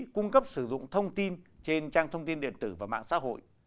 cung cấp sử dụng thông tin trên trang thông tin điện tử và mạng xã hội